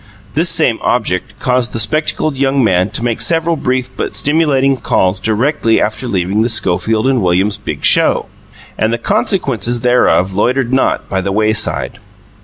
This same object caused the spectacled young man to make several brief but stimulating calls directly after leaving the Schofield and Williams Big Show, and the consequences thereof loitered not by the wayside.